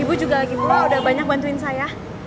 ibu juga lagi pula udah banyak bantuin saya